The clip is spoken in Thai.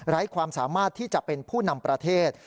ความสามารถที่จะเป็นผู้นำประเทศ